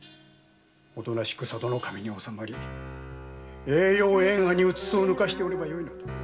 おとなしく佐渡守に納まり栄耀栄華にうつつを抜かしておればよいのだ。